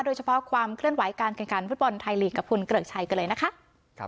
โดยเฉพาะความเคลื่อนไหวการแข่งขันฟุตบอลไทยลีกกับคุณเกริกชัยกันเลยนะคะ